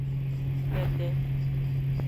Gbede.